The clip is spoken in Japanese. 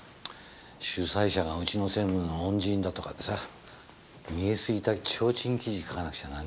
主催者がうちの専務の恩人だとかでさ見えすいた提灯記事書かなくちゃなんねぇんだよ